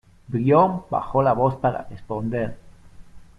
Brión bajó la voz para responder: